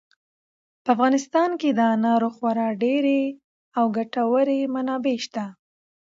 په افغانستان کې د انارو خورا ډېرې او ګټورې منابع شته.